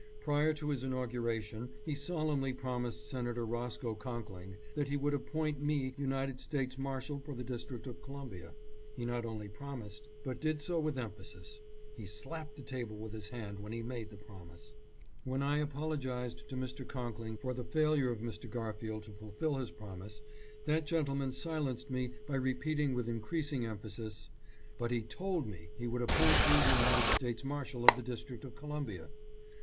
Prior to his inauguration he solemnly promised Senator Roscoe Conkling that he would appoint me United States Mar shal for the District of Columbia. He not only prom ised, but did so with emphasis. He slapped the table 636 HOPE IN PROMISES OF A NEW DEPARTURE. with his hand when he made the promise. When I apologized to Mr. Conkling for the failure of Mr. Gar field to fulfill his promise, that gentleman silenced me by repeating with increasing emphasis, " But he told me he would appoint you United States Marshal of the District of Columbia."